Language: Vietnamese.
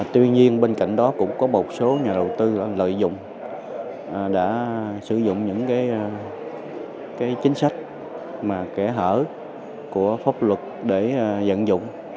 tuy nhiên bên cạnh đó cũng có một số nhà đầu tư lợi dụng đã sử dụng những chính sách kẻ hở của pháp luật để dận dụng